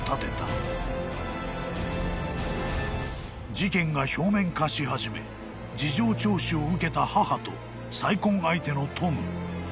［事件が表面化し始め事情聴取を受けた母と再婚相手のトム］